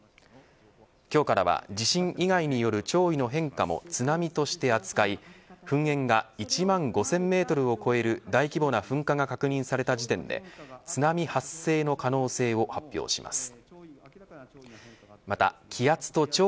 今日からは地震以外による潮位の変化も津波として扱い噴煙が１万５０００メートルを超える大規模な噴火が確認された時点で津波発生の可能性を発表します。